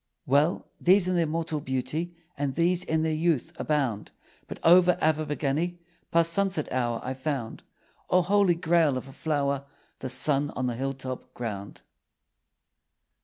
Well: these in their mortal beauty, And these in their youth, abound. But over Abergavenny, Past sunset hour, I found (O Holy Grail of a flower!) The sun on the hilltop ground.